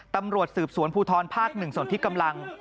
ตำรวจสืบสวนภูทรภาค๑ส่วนที่กำลัง